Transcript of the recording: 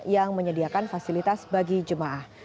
yang menyediakan fasilitas bagi jemaah